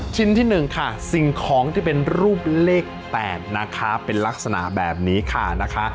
ชิ้นที่๑ค่ะสิ่งของที่เป็นรูปเลข๘นะคะเป็นลักษณะแบบนี้ค่ะนะคะ